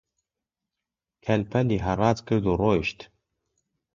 کەل-پەلی هەڕاج کرد و ڕۆیشت